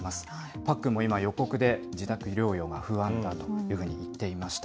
パックンも今、予告で、自宅療養が不安だというふうに言っていました。